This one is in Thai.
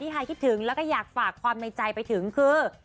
หายคิดถึงแล้วก็อยากฝากความในใจไปถึงคือ